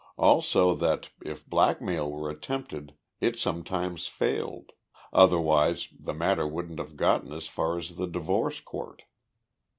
Also that, if blackmail were attempted, it sometimes failed otherwise the matter wouldn't have gotten as far as the divorce court."